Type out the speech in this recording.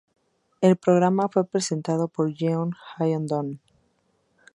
El programa fue presentado por Jeong Hyeong-don.